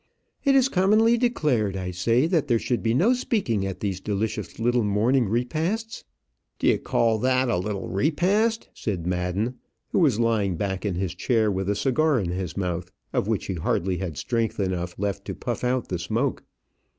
It is commonly declared, I say, that there should be no speaking at these delicious little morning repasts." "Do you call that a little repast?" said Madden, who was lying back in his chair with a cigar in his mouth, of which he hardly had strength enough left to puff out the smoke.